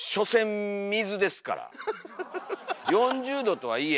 ４０℃とはいえ